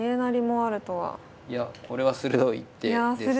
いやこれは鋭い一手ですね。